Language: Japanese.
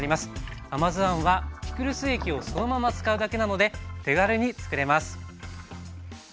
甘酢あんはピクルス液をそのまま使うだけなので手軽につくれます。